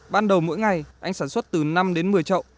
ban đầu mỗi ngày anh sản xuất từ năm đến một mươi trậu